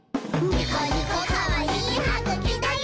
ニコニコかわいいはぐきだよ！」